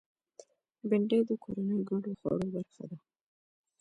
بېنډۍ د کورنیو ګډو خوړو برخه ده